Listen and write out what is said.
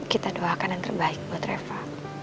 kita doakan yang terbaik buat reva